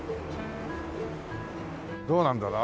どうなんだろう。